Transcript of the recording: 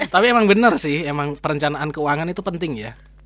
tapi emang bener sih emang perencanaan keuangan itu penting ya